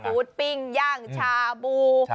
ซีฟู้ดปิงย่างชาบู